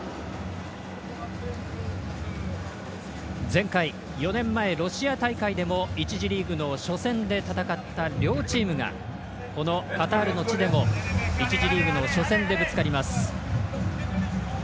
前回４年前ロシア大会でも１次リーグの初戦で戦った両チームがこのカタールの地でも１次リーグの初戦でぶつかります。